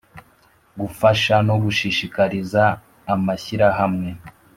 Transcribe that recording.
Gufasha no gushishikariza amashyirahamwe